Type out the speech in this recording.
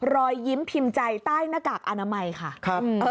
รอยยิ้มพิมพ์ใจใต้หน้ากากอนามัยค่ะครับ